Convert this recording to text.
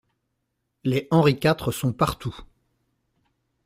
Les Henri quatre sont partout.